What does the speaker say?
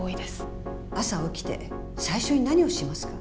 朝起きて最初に何をしますか？